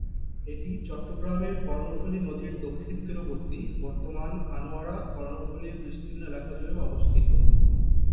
এটি চট্টগ্রামের কর্ণফুলী নদীর দক্ষিণ তীরবর্তী বর্তমান আনোয়ারা-কর্ণফুলী বিস্তীর্ণ এলাকা জুড়ে অবস্থিত।